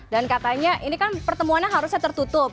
dan katanya ini kan pertemuannya harusnya tertutup